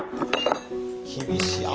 厳しい。